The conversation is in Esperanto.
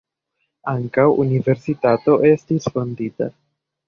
Ankaŭ universitato estis fondita.